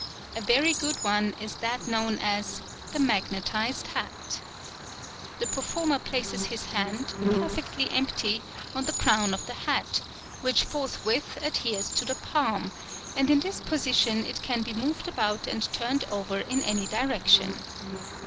A very good one is that known as The Magnetized Hat.—The performer places his hand, perfectly empty, on the crown of the hat, which forthwith adheres to the palm, and in this position it can be moved about and turned over in any direction.